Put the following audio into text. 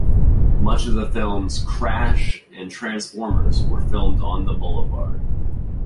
Much of the films "Crash" and "Transformers" were filmed on the boulevard.